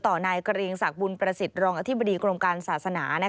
นายเกรียงศักดิ์บุญประสิทธิ์รองอธิบดีกรมการศาสนา